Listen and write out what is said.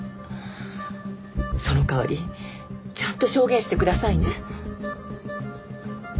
その代わりちゃんと証言してくださいね。